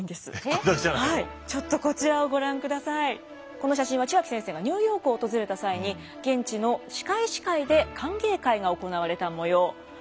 この写真は血脇先生がニューヨークを訪れた際に現地の歯科医師会で歓迎会が行われた模様。